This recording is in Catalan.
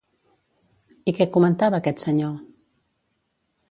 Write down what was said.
I què comentava aquest senyor?